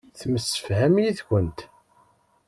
Temsefham yid-kent.